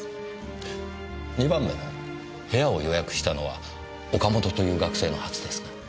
２番目の部屋を予約したのは岡本という学生のはずですが？